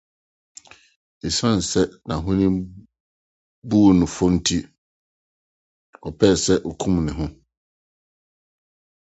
Esiane sɛ n’ahonim buu no fɔ nti, ɔpɛe sɛ okum ne ho.